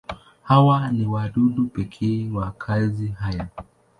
Hawa ni wadudu pekee wa makazi haya.